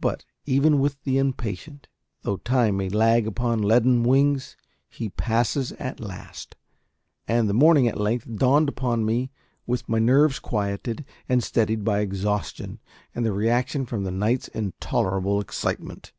But, even with the impatient, though time may lag upon leaden wings, he passes at last; and the morning at length dawned upon me with my nerves quieted and steadied by exhaustion and the reaction from the night's intolerable excitement.